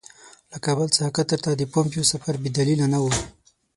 له کابل څخه قطر ته د پومپیو سفر بې دلیله نه وو.